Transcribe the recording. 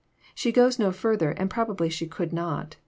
She goes no ftirther, and probably she could not.